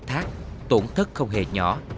khai thác tổn thất không hề nhỏ